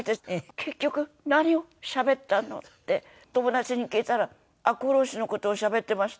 「結局何をしゃべったの？」って友達に聞いたら「赤穂浪士の事をしゃべってました」。